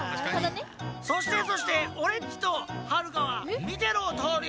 そしてそしてオレっちとはるかはみてのとおり。